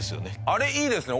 あれいいですね。